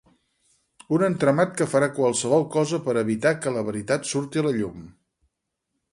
Un entramat que farà qualsevol cosa per evitar que la veritat surti a la llum.